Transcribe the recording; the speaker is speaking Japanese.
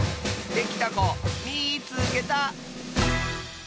できたこみいつけた！